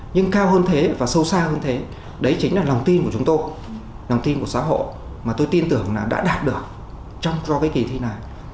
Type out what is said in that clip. nhưng cao hơn thế và sâu xa hơn thế đấy chính là lòng tin của chúng tôi lòng tin của xã hội mà tôi tin tưởng là đã đạt được do cái kỳ thi này